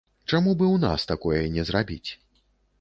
Чаму б і ў нас такое не зрабіць?